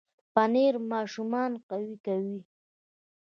پنېر ماشومان قوي کوي.